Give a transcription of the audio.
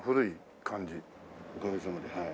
おかげさまではい。